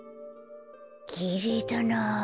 きれいだなあ。